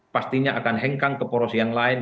pastinya akan hengkang ke poros yang lain